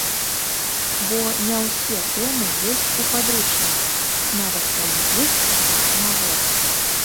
Бо не ўсе тэмы ёсць у падручніках, нават калі іх два на год.